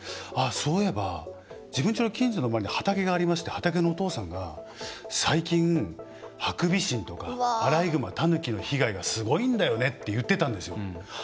そういえば、自分の家の近所の周りに畑がありまして畑のお父さんが最近、ハクビシンとかアライグマ、タヌキの被害がすごいんだよねって言ってたんですよ。